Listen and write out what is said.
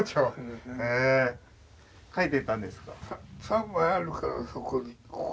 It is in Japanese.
３枚あるからそこに。